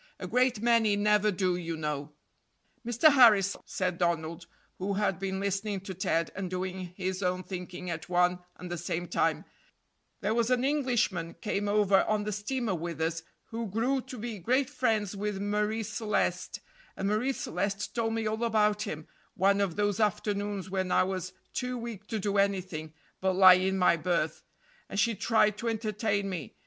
A great many never do, you know." "Mr. Harris," said Donald, who had been listening to Ted and doing his own thinking at one and the same time, "there was an Englishman came over on the steamer with us, who grew to be great friends with Marie Celeste, and Marie Celeste told me all about him one of those afternoons when I was too weak to do anything but lie in my berth, and she tried to entertain me.